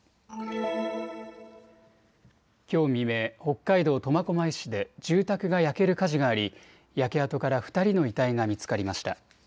きょう未明、北海道苫小牧市で住宅が焼ける火事があり焼け跡から２人の遺体が見つかりました。